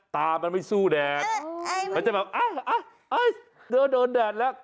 ตามันไม่สู้แดดมันจะแบบเธอโดนแดดแล้ว